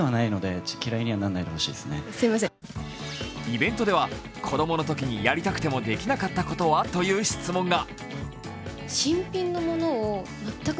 イベントでは、子供のときにやりたくてもできなかったことはという質問が。